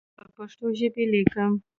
پر پښتو ژبه یې لیکم.